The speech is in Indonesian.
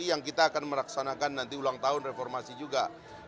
yang kita akan meraksanakan nanti ulang tahun reformasi juga